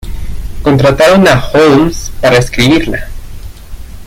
Contrataron a Holmes para escribirla.